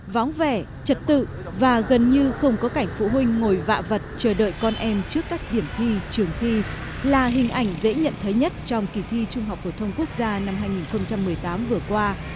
vóng vẻ trật tự và gần như không có cảnh phụ huynh ngồi vạ vật chờ đợi con em trước các điểm thi trường thi là hình ảnh dễ nhận thấy nhất trong kỳ thi trung học phổ thông quốc gia năm hai nghìn một mươi tám vừa qua